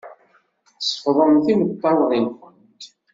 Sefḍemt imeṭṭawen-nkent.